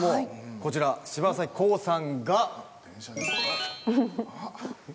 こちら柴咲コウさんが。